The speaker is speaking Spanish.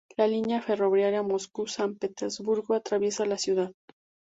La línea ferroviaria Moscú-San Petersburgo atraviesa la ciudad.